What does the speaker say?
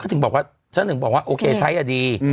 เขาถึงบอกว่าฉันถึงบอกว่าโอเคใช้อ่ะดี